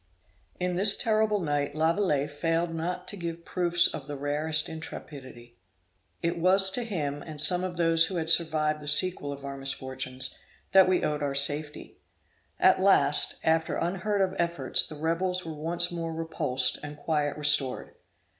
In this terrible night Lavilette failed not to give proofs of the rarest intrepidity. It was to him and some of those who had survived the sequel of our misfortunes, that we owed our safety. At last, after unheard of efforts, the rebels were once more repulsed, and quiet restored.